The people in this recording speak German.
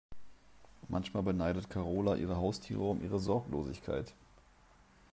Manchmal beneidet Karola ihre Haustiere um ihre Sorglosigkeit.